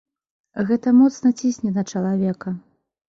Гэта моцна цісне на чалавека.